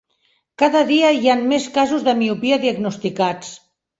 Cada dia hi han més casos de miopia diagnosticats.